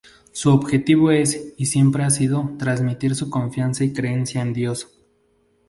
Su objetivo es y siempre ha sido transmitir su confianza y creencia en Dios.